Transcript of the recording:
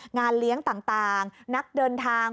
งานเลี้ยงต่างนักเดินทาง